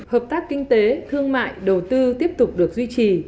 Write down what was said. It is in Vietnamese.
hợp tác kinh tế thương mại đầu tư tiếp tục được duy trì